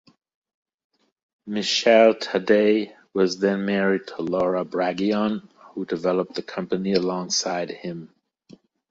Michele Taddei was then married to Laura Braggion who developed the company alongside him.